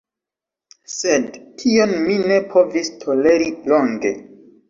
Sed, tion mi ne povis toleri longe.